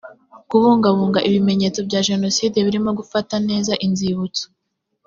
kubungabunga ibimenyetso bya jenoside birimo gufata neza inzibutso